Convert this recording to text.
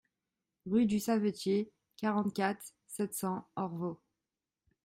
Rue du Savetier, quarante-quatre, sept cents Orvault